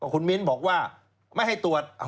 คุณมิ้นบอกว่าไม่ให้ตรวจ